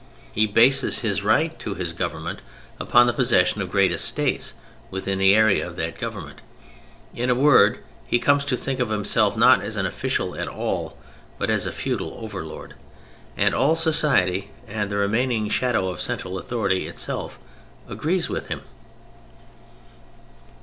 He bases his right to his government upon the possession of great estates within the area of that government. In a word, he comes to think of himself not as an official at all but as a feudal overlord, and all society (and the remaining shadow of central authority itself) agrees with him.